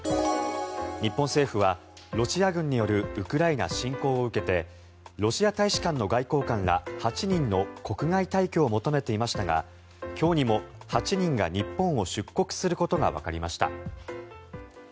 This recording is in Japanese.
日本政府は、ロシア軍によるウクライナ侵攻を受けてロシア大使館の外交官ら８人の国外退去を求めていましたが今日にも８人が日本を出国することがわかりました。